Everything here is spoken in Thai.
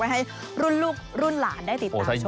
ให้รุ่นลูกรุ่นหลานได้ติดตามชม